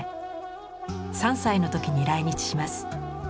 ３歳の時に来日します。